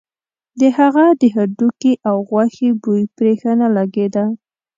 د هغه د هډوکي او غوښې بوی پرې ښه نه لګېده.